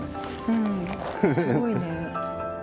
うん、すごいね。